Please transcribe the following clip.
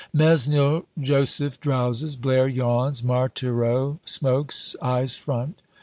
Mesnil Joseph drowses; Blaire yawns; Marthereau smokes, "eyes front."